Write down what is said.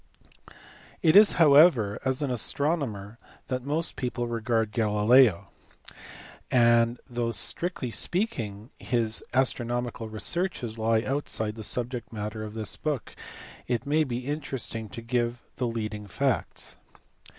It is however as an astronomer that most people regard Galileo, and though strictly speaking his astronomical researches lie outside the subject matter of this book it may be interest ing to give the leading facts.